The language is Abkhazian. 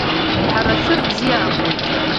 Ҳара ашәыр бзиа иаабоит…